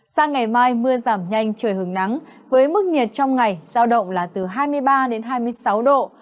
sang ngày mai mưa giảm nhanh trời hứng nắng với mức nhiệt trong ngày giao động là từ hai mươi ba đến hai mươi sáu độ